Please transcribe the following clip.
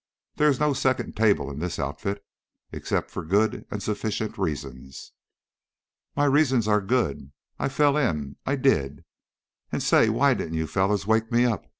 There is no second table in this outfit, except for good and sufficient reasons." "My reasons are good. I I fell in, I did. And say, why didn't you fellows wake me up?"